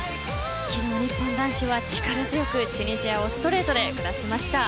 昨日、日本男子は力強くチュニジアをストレートで下しました。